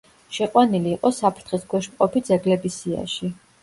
შეყვანილი იყო საფრთხის ქვეშ მყოფი ძეგლების სიაში.